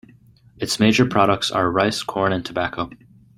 Its major products are rice, corn and tobacco.